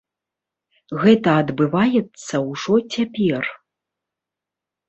Гэта адбываецца ўжо цяпер.